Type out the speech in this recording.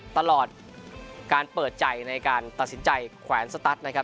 ตลอดการเปิดใจในการตัดสินใจแขวนสตัสนะครับ